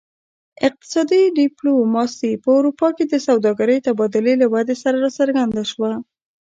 اقتصادي ډیپلوماسي په اروپا کې د سوداګرۍ تبادلې له ودې سره راڅرګنده شوه